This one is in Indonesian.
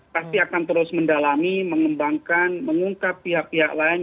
pasti akan terus mendalami mengembangkan mengungkap pihak pihak lain